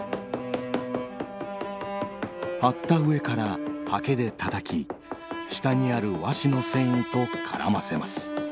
貼った上からハケでたたき下にある和紙の繊維と絡ませます。